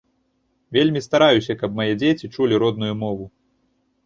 Вельмі стараюся, каб мае дзеці чулі родную мову.